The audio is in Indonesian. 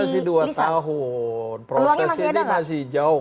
masih dua tahun proses ini masih jauh